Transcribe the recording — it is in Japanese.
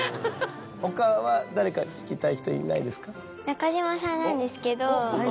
他は誰か聞きたい人いないですか？